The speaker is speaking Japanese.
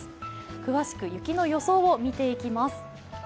詳しく雪の予想を見ていきます。